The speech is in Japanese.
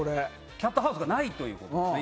キャットハウスがないということですね。